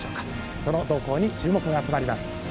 その動向に注目が集まります。